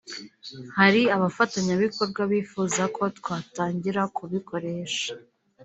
Hari abafatanyabikorwa bifuza ko twatangira kubikoresha